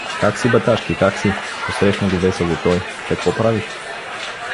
— Как си, Баташки, как си? — посрещна го весело той. — Какво правиш?